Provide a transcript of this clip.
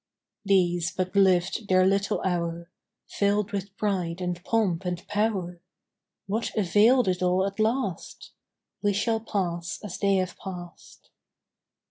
These but lived their little hour, Filled with pride and pomp and power; What availed it all at last? We shall pass as they have passed.